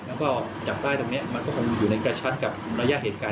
แล้วก็จับได้ตรงนี้มันก็คงอยู่ในกระชัดกับระยะเหตุการณ์